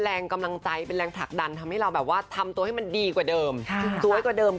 แต่หลังจาก๕นาทีเราก็แบบไม่จริงฉันว่าฉันเก่งฉันสวย